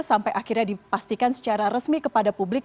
sampai akhirnya dipastikan secara resmi kepada publik